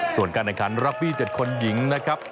ส่วนการรับบี้๗คนหญิงนะครับ